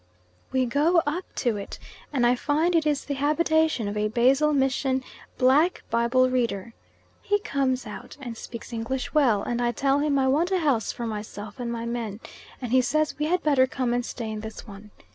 We go up to it and I find it is the habitation of a Basel Mission black Bible reader. He comes out and speaks English well, and I tell him I want a house for myself and my men, and he says we had better come and stay in this one.